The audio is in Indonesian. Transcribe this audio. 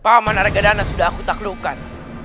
pahaman harga dana sudah aku tak lukan